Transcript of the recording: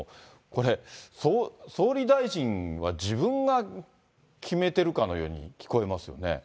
これ、総理大臣は自分が決めてるかのように聞こえますよね。